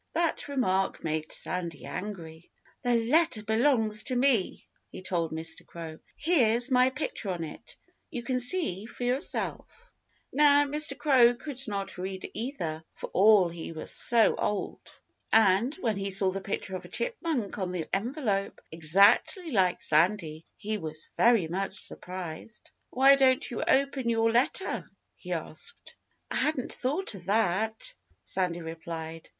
That remark made Sandy angry. "The letter belongs to me!" he told Mr. Crow. "Here's my picture on it. You can see for yourself." Now, Mr. Crow could not read either for all he was so old. And when he saw the picture of a chipmunk on the envelope, exactly like Sandy, he was very much surprised. "Why don't you open your letter?" he asked. "I hadn't thought of that," Sandy replied.